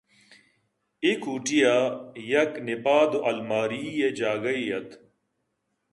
اے کوٹی ءَ یک نپادءُالماری ئےجاگہے اَت